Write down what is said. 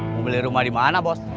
mau beli rumah dimana bos